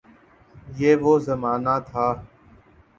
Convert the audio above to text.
یہ وہ زمانہ تھا۔